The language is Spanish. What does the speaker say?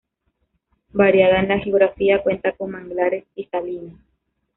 Variada en la geografía, cuenta con manglares y salinas.